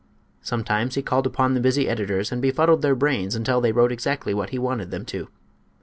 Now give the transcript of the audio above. Sometimes he called upon the busy editors and befuddled their brains until they wrote exactly what he wanted them to.